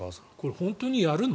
本当にやるの？